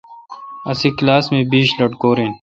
اسی کلاس مہ بیش لٹکور این۔